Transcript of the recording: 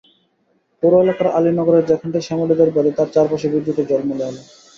পৌর এলাকার আলী নগরের যেখানটায় শ্যামলীদের বাড়ি, তার চারপাশে বিদ্যুতের ঝলমলে আলো।